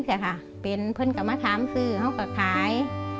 เป็นเพื่อนก็มาทำซื้อเขาก็ขาย